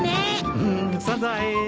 うんサザエ。